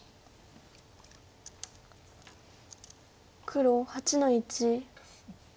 黒８の一。